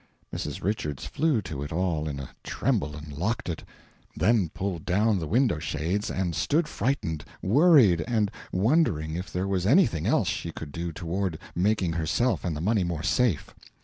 Mrs. Richards flew to it all in a tremble and locked it, then pulled down the window shades and stood frightened, worried, and wondering if there was anything else she could do toward making herself and the money more safe.